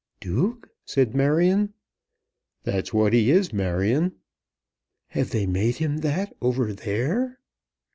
"Duke!" said Marion. "That's what he is, Marion." "Have they made him that over there?"